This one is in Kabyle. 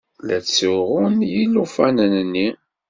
La ttsuɣun yilufanen-nni.